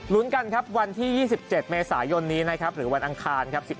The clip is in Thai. กันครับวันที่๒๗เมษายนนี้นะครับหรือวันอังคารครับ